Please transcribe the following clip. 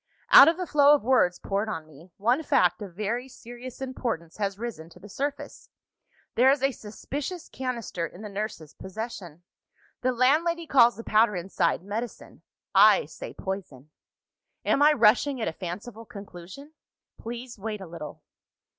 "Out of the flow of words poured on me, one fact of very serious importance has risen to the surface. There is a suspicious canister in the nurse's possession. The landlady calls the powder inside, medicine. I say, poison. "Am I rushing at a fanciful conclusion? Please wait a little.